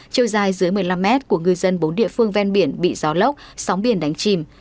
chiều dài dưới một mươi năm mét của ngư dân bốn địa phương ven biển bị gió lốc sóng biển đánh chìm